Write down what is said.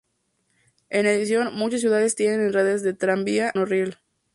En adición, muchas ciudades tienen redes de tranvía y monorriel.